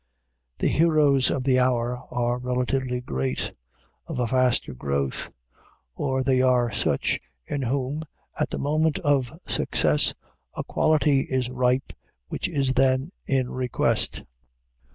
The heroes of the hour are relatively great of a faster growth; or they are such, in whom, at the moment of success, a quality is ripe which is then in request.